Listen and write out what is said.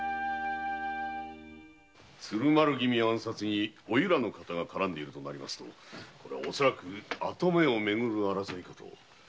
鶴丸君暗殺にお由良の方が絡んでいるとなると恐らく跡目をめぐる争いかと。